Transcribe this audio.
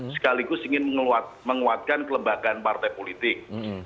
sekaligus ingin menguatkan kelembagaan partai politik